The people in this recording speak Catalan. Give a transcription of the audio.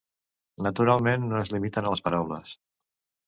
Naturalment, no es limiten a les paraules.